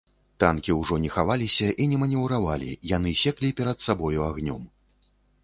Танкі ўжо не хаваліся і не манеўравалі, яны секлі перад сабою агнём.